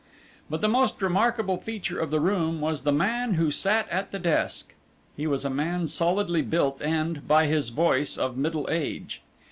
But the most remarkable feature of the room was the man who sat at the desk. He was a man solidly built and, by his voice, of middle age.